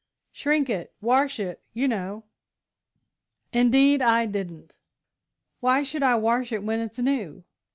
"Shrink it. Wash it, you know." "Indeed I didn't. Why should I wash it when it's new?"